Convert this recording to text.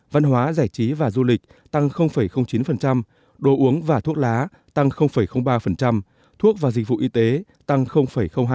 văn hóa giải trí và du lịch tăng chín đồ uống và thuốc lá tăng ba thuốc và dịch vụ y tế tăng hai